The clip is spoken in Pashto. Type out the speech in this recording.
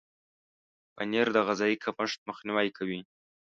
پنېر د غذایي کمښت مخنیوی کوي.